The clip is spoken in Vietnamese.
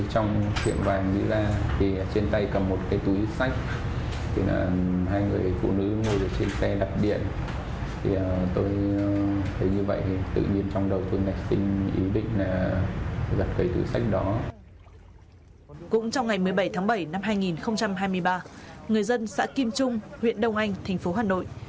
cũng trong ngày một mươi bảy tháng bảy năm hai nghìn hai mươi ba người dân xã kim trung huyện đông anh thành phố hà nội